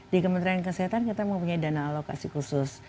di kementerian kesehatan kita mempunyai dana alokasi khusus